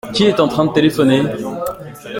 Qui est en train de téléphoner ?